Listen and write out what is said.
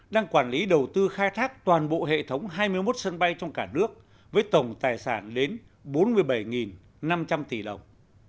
đang quản lý đầu tư khai thác toàn bộ hệ thống hai mươi một sân bay trong cả nước với tổng tài sản đến bốn mươi bảy năm trăm linh tỷ đồng